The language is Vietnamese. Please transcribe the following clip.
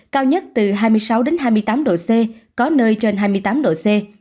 cao nhất từ hai mươi sáu hai mươi tám độ c có nơi trên hai mươi tám độ c